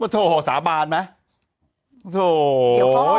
โถสาบานไหม